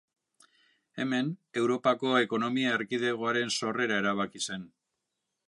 Hemen Europako Ekonomia Erkidegoaren sorrera erabaki zen.